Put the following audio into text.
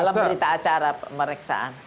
dalam berita acara pemeriksaan